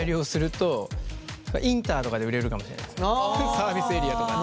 サービスエリアとかで。